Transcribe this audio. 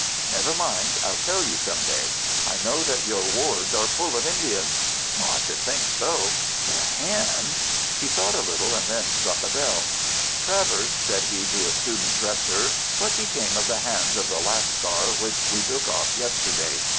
"Never mind. I'll tell you some day. I know that your wards are full of Indians." "I should think so. But a hand——" He thought a little and then struck a bell. "Travers," said he to a student dresser, "what became of the hands of the Lascar which we took off yesterday?